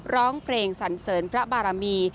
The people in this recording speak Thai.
ร้องเพลงสันเสริญพระบารมี